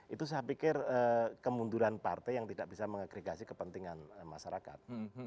itu saya pikir kemunduran partai yang tidak bisa mengagregasi kepentingan masyarakat